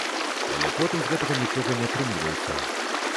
Але потым з гэтага нічога не атрымліваецца.